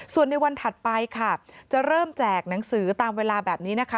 ส่วนในวันถัดไปค่ะจะเริ่มแจกหนังสือตามเวลาแบบนี้นะคะ